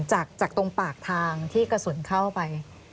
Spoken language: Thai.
จากตรงปากทางที่กระสุนเข้าไป